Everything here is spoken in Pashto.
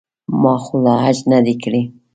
ما خو لا حج نه دی کړی.